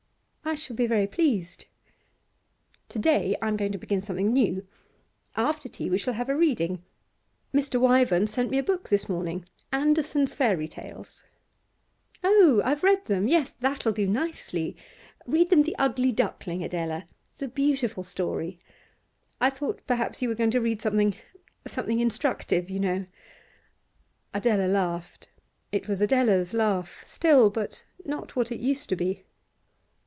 'I shall be very pleased.' 'To day I'm going to begin something new. After tea we shall have a reading. Mr. Wyvern sent me a book this morning "Andersen's Fairy Tales."' 'Oh, I've read them. Yes, that'll do nicely. Read them "The Ugly Duckling," Adela; it's a beautiful story. I thought perhaps you were going to read something something instructive, you know.' Adela laughed. It was Adela's laugh still, but not what it used to be.